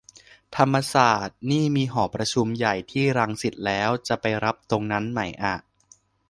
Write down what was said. ธรรมศาสตร์นี่มีหอประชุมใหญ่ที่รังสิตแล้ว จะไปรับตรงนั้นไหมอะ